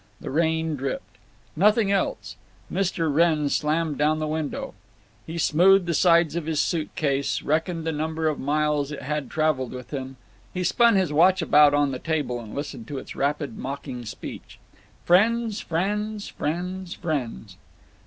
The rain dripped. Nothing else. Mr. Wrenn slammed down the window. He smoothed the sides of his suit case and reckoned the number of miles it had traveled with him. He spun his watch about on the table, and listened to its rapid mocking speech, "Friends, friends; friends, friends."